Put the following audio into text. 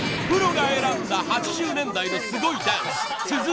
プロが選んだ８０年代のすごいダンス。